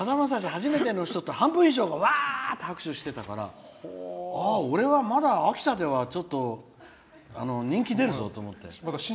初めての人って聞くと半分以上がわーっと拍手してたから俺はまだ秋田では人気出るぞと思って。